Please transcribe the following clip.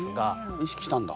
意識したんだ？